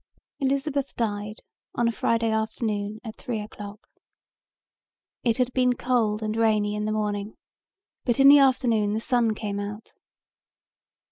Elizabeth died on a Friday afternoon at three o'clock. It had been cold and rainy in the morning but in the afternoon the sun came out.